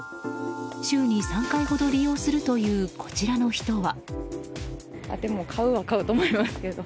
週に３回ほど利用するというこちらの人は。